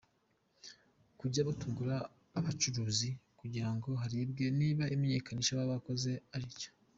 Kujya batungura abacuruzi kugira ngo harebwe niba imenyekanisha baba bakoze ariryo,.